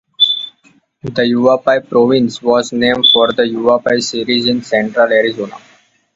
The Yavapai Province was named for the Yavapai Series in central Arizona.